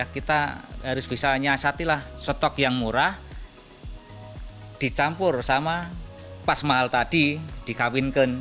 kita harus bisa menyiasatilah stok yang murah dicampur sama pas mahal tadi dikawinkan